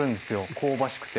香ばしくて。